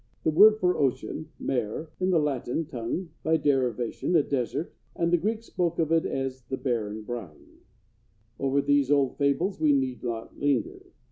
"The word for 'ocean' (mare) in the Latin tongue means, by derivation, a desert, and the Greeks spoke of it as 'the barren brine.'" Over these old fables we need not linger.